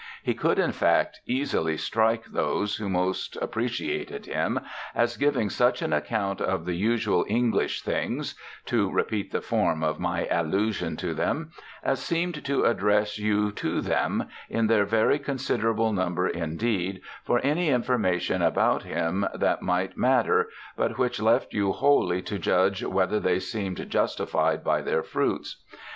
He could in fact easily strike those who most appreciated him as giving such an account of the usual English things to repeat the form of my allusion to them as seemed to address you to them, in their very considerable number indeed, for any information about him that might matter, but which left you wholly to judge whether they seemed justified by their fruits.